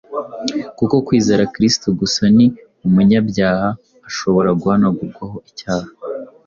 Kubwo kwizera Kristo gusa ni ho umunyabyaha ashobora guhanagurwaho icyaha